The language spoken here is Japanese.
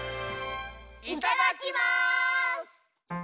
いただきます！